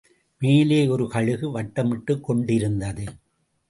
மேலே ஒரு கழுகு வட்டமிட்டுக் கொண்டிருந்தது.